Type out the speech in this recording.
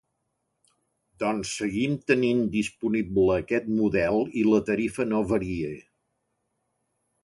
Doncs seguim tenint disponible aquest model i la tarifa no varia.